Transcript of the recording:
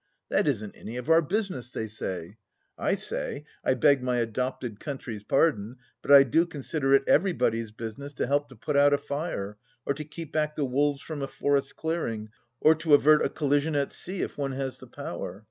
That isn't any of our business, they say ; I say, I beg my adopted country's pardon, but I do consider it everybody's business to help to put out a fire, or to keep back the wolves from a forest clearing, or avert a collision at sea if one has the power.